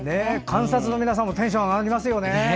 観察の皆さんもテンション上がりますよね。